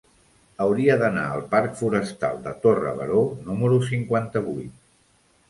Hauria d'anar al parc Forestal de Torre Baró número cinquanta-vuit.